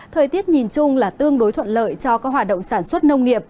thời tiết nhìn chung là tương đối thuận lợi cho các hoạt động sản xuất nông nghiệp